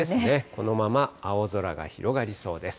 このまま青空が広がりそうです。